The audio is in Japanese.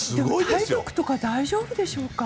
体力とか大丈夫でしょうか？